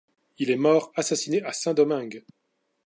Il est mort assassiné à Saint-Domingue.